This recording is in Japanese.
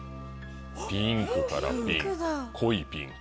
ピンクからピンク濃いピンク。